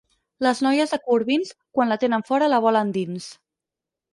Les noies de Corbins, quan la tenen fora, la volen dins.